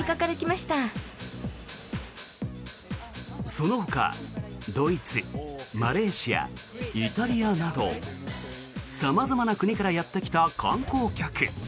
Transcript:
そのほかドイツ、マレーシアイタリアなど様々な国からやってきた観光客。